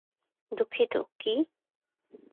দুঃখিত, কী?